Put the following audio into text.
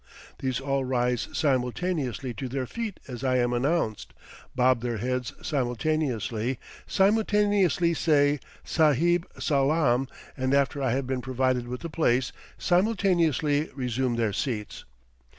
These all rise simultaneously to their feet as I am announced, bob their heads simultaneously, simultaneously say, "Sahib salaam," and after I have been provided with a place, simultaneously resume their seats.